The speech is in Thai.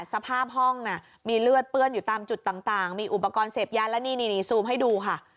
สภาพห้องน่ะมีเลือดเปื้อนอยู่ตามจุดต่างมีอุปกรณ์เสพยาแล้วนี่ซูมให้ดูค่ะ